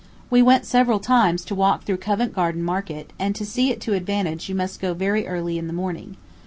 We went several times to walk through Covent Garden Market, and to see it to advantage you must go very early in the morning.